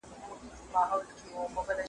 که له موجونو ډارېدلای غېږ ته نه درتلمه .